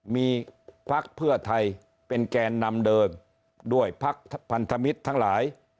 มีพักเพื่อไทยเป็นแกนนำเดินด้วยพักพันธมิตรทั้งหลาย